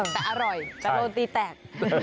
แต่อร่อยแต่โดนตีแตก